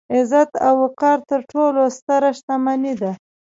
عزت او وقار تر ټولو ستره شتمني ده.